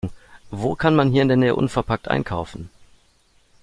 Wo kann man hier in der Nähe unverpackt einkaufen?